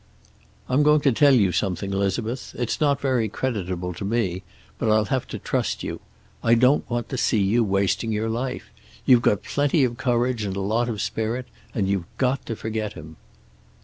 "I'm going to tell you something, Elizabeth. It's not very creditable to me, but I'll have to trust you. I don't want to see you wasting your life. You've got plenty of courage and a lot of spirit. And you've got to forget him."